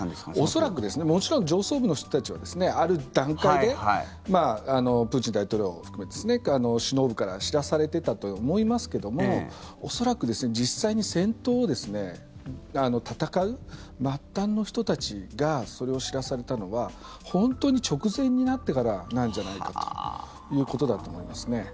恐らく上層部の人たちはある段階でプーチン大統領を含めて首脳部から知らされてたと思いますけども恐らく、実際に戦闘を戦う末端の人たちがそれを知らされたのは本当に直前になってからなんじゃないかということだと思います。